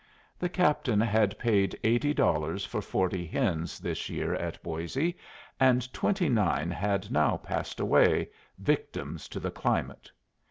The captain had paid eighty dollars for forty hens this year at Boisé, and twenty nine had now passed away, victims to the climate.